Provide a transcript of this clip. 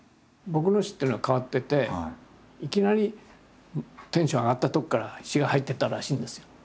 僕の詩っていうのは変わってていきなりテンション上がったとこから詩が入ってったらしいんですよ。